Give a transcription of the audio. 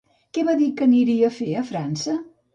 Què va dir que aniria a fer a França?